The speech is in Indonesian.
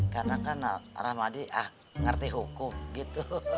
karena kan naramadi ngerti hukum gitu